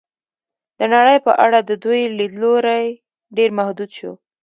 د نړۍ په اړه د دوی لید لوری ډېر محدود شو.